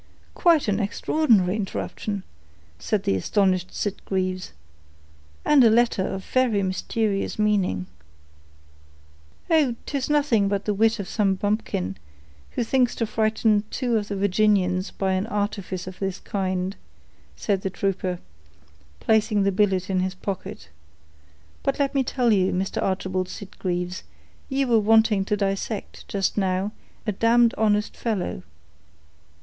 "Quite an extraordinary interruption," said the astonished Sitgreaves, "and a letter of very mysterious meaning." "Oh! 'tis nothing but the wit of some bumpkin, who thinks to frighten two of the Virginians by an artifice of this kind," said the trooper, placing the billet in his pocket. "But let me tell you, Mr. Archibald Sitgreaves, you were wanting to dissect, just now, a damned honest fellow."